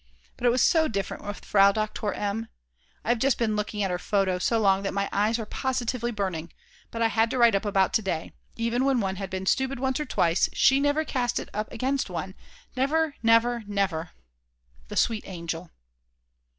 It was so different with Frau Doktor M.!! I have just been looking at her photo so long that my eyes are positively burning; but I had to write up about to day: even when one had been stupid once or twice, she never cast it up against one, never, never, never the sweet angel!